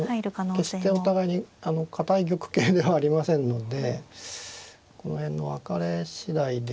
決してお互いに堅い玉形ではありませんのでこの辺の分かれ次第で。